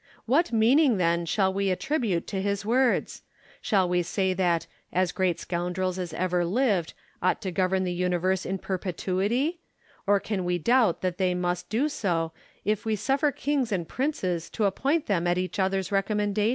What meaning, then, shall we attribute to his words % Shall we say that " as great scoundrels as ever lived " ought to govern the universe in perpetuity % Or can we doubt that they must do so, if we suffer kings and princes to appoint them at each other's recommendation % Merino.